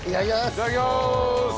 いただきます！